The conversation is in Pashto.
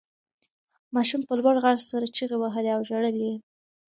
ماشوم په لوړ غږ سره چیغې وهلې او ژړل یې.